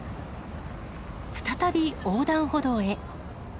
再び横断歩道へ。